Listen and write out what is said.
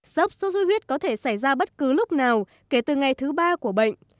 sốc xuất huyết có thể xảy ra bất cứ lúc nào kể từ ngày thứ ba của bệnh